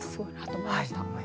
思いました。